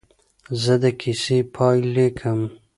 زه د کیسې پاې لیکم.